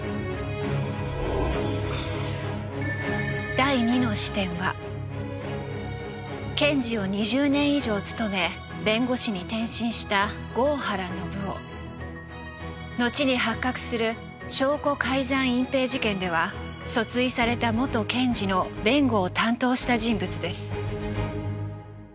第２の視点は検事を２０年以上務め弁護士に転身した後に発覚する証拠改ざん隠蔽事件では訴追された元検事の弁護を担当した人物です。